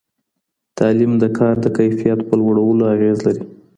تعلیم د کار د کیفیت په لوړولو اغېز لري.